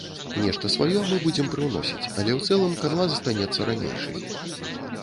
Нешта сваё мы будзем прыўносіць, але ў цэлым канва застанецца ранейшай.